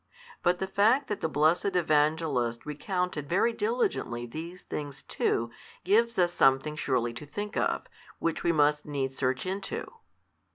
But the fact that the blessed Evangelist recounted very diligently these things too, gives us something surely to think of, which we must needs search into.